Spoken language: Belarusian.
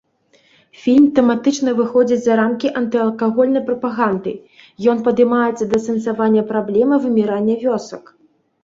Фільм тэматычна выходзіць за рамкі антыалкагольнай прапаганды, ён падымаецца да асэнсавання праблемы вымірання вёсак.